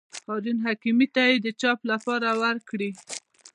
هارون حکیمي ته یې د چاپ لپاره ورکړي.